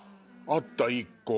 あった１個！